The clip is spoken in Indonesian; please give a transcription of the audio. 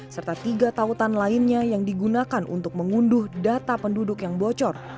serta tiga tautan lainnya yang digunakan untuk mengunduh data penduduk yang bocor